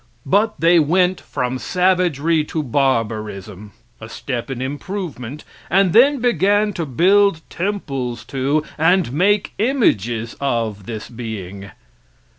But they went from savagery to barbarism a step in improvement and then began to build temples to, and make images of, this being.